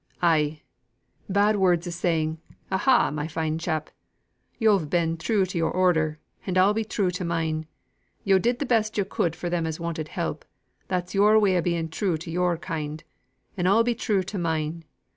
"Ay. Bad words is saying 'Aha, my fine chap! Yo've been true to yo'r order, and I'll be true to mine. Yo' did the best yo' could for them as wanted help; that's yo're way of being true to yo're kind: and I'll be true to mine.